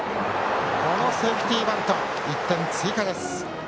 このセーフティーバント１点追加です。